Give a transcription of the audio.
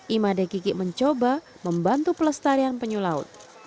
imade kiki mencoba membantu pelestarian penyu laut